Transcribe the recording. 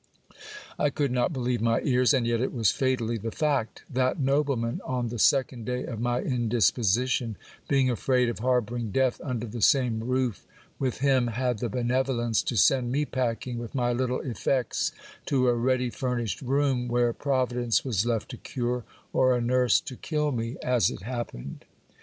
I could not believe my ears ; and yet it was fatally the fact That nobleman, en the second day of my indisposition, being afraid of harbouring death under tie same roof with him, had the benevolence to send me packing with my little effects to a ready furnished room, where providence was left to cure, or a nurse ti kill me, as it happened.